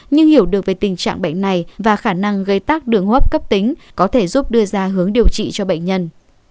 nhưng hiểu được về tình trạng bệnh này và khả năng gây tác đường hấp cấp tính có thể giúp đưa ra hướng điều trị cho bệnh nhân